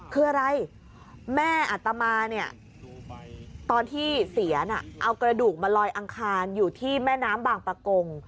คืออะไรแม่อัตมาเนี่ยตอนที่เสียน่ะเอากระดูกมาลอยอังคารอยู่ที่แม่น้ำบางประกง